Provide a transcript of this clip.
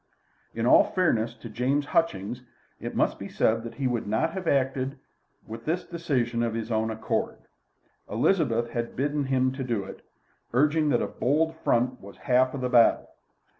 In all fairness to James Hutchings, it must be said that he would not have acted with this decision of his own accord. Elizabeth had bidden him to it, urging that a bold front was half the battle.